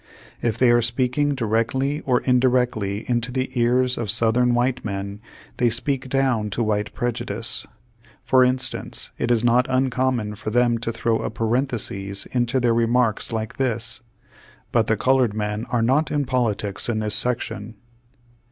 If they are speak ing directly or indirectly into the ears of Southern white men, they speak down to white prejudice. For instance, it is not uncommon for them to throw a parenthesis into their remarks like this: "But the colored men are not in politics in this section."